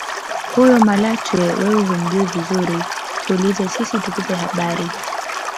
Huyo Malatwe wewe humjui vizuri tuulize sisi tukupe habari